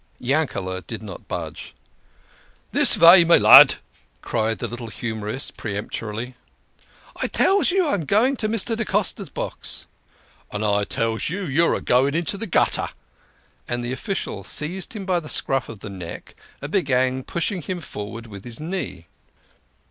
Yankele" did not budge. " This vay, my lud !" cried the little humorist peremptorily. " I tells you I'm going into Mr. da Costa's box !" "And I tells you you're a goin' into the gutter." And the official seized him by the scruff of the neck and began pushing him forwards with his knee.